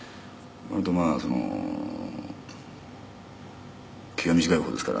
「割とまあ気が短い方ですから」